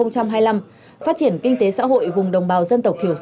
chuyên đề năm